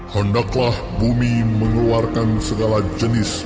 hendaklah bumi mengeluarkan segala jenis makhluk